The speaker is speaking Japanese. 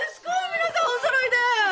皆さんおそろいで！